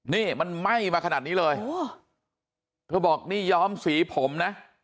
นี่มันไหม้มาขนาดนี้เลยเธอบอกนี่ย้อมสีผมนะ